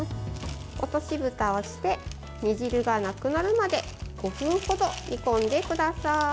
落としぶたをして煮汁がなくなるまで５分程煮込んでください。